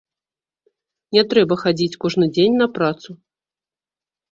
Не трэба хадзіць кожны дзень на працу.